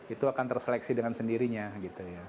itu akan terseleksi dengan sendirinya gitu ya